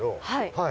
はい。